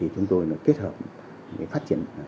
chúng tôi kết hợp phát triển